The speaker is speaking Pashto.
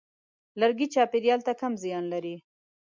لرګی چاپېریال ته کم زیان لري.